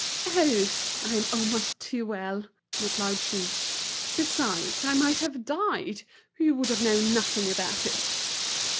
"Oh! I'm almost too well," replied she. "Besides, I might have died; you would have known nothing about it."